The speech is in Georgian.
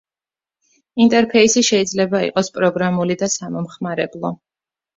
ინტერფეისი შეიძლება იყოს პროგრამული და სამომხმარებლო.